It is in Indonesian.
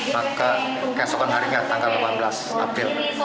maka keesokan harinya tanggal delapan belas april